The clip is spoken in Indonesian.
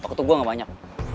waktu gue nggak banyak